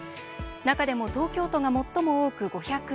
中でも東京都が最も多く５０１人。